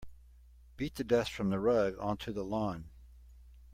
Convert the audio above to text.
Beat the dust from the rug onto the lawn.